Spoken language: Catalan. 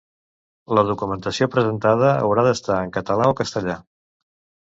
La documentació presentada haurà d'estar en català o castellà.